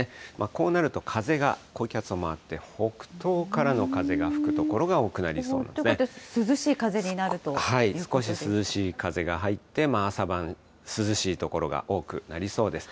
こうなると風が高気圧を回って北東からの風が吹く所が多くなりそ涼しい風になるということで少し涼しい風が入って、朝晩、涼しい所が多くなりそうです。